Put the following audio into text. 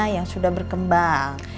yang sudah berkembang